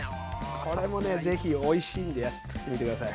これもねぜひおいしいんでつくってみて下さい。